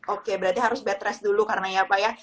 oke berarti harus bed rest dulu karena ya pak ya